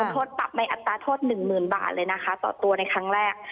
โทษปรับในอัตราโทษ๑๐๐๐บาทเลยนะคะต่อตัวในครั้งแรก